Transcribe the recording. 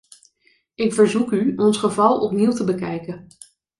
Ik verzoek u ons geval opnieuw te bekijken.